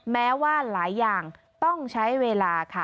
แม้ว่าหลายอย่างต้องใช้เวลาค่ะ